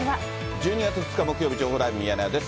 １２月２日木曜日、情報ライブミヤネ屋です。